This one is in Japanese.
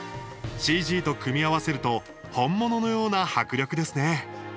ＣＧと組み合わせると本物のような迫力ですね。